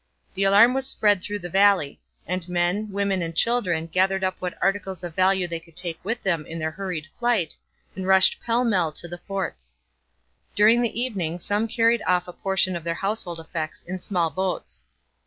The alarm was spread through the valley, and men, women, and children gathered up what articles of value they could take with them in their hurried flight, and rushed pell mell to the forts. During the evening some carried off a portion of their household effects in small boats.